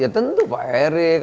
ya tentu pak erick